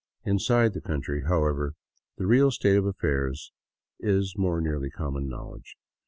Inside the country, however, the real state of affairs is more nearly common knowledge.